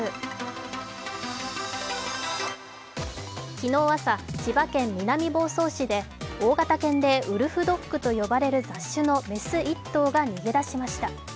昨日朝、千葉県南房総市で大型犬でウルフドッグと呼ばれる雑種の雌１頭が逃げ出しました。